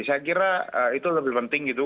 saya kira itu lebih penting gitu